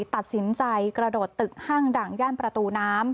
ตัดสินใจกระโดดตึกห้างดังย่านประตูน้ำ